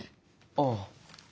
ああ。